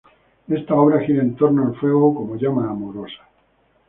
Esta obra gira en torno al fuego como llama amorosa.